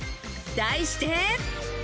題して。